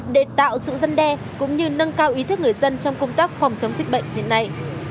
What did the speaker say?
để tạo sự dân đe cũng như nâng cao ý thức người dân trong công tác phòng chống dịch bệnh hiện nay